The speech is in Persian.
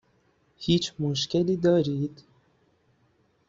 هیچ مشکلی دارید؟